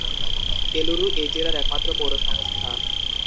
এলুরু এই জেলার একমাত্র পৌরসংস্থা।